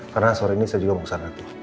karena sore ini saya juga mau kesana